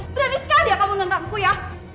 berani sekali ya kamu menentangku ya